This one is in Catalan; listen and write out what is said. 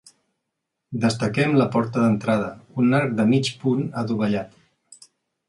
Destaquem la porta d'entrada, un arc de mig punt adovellat.